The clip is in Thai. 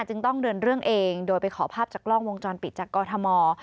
จึงต้องเดินเรื่องเองโดยไปขอภาพจากกล้องวงจรปิดจากกอทม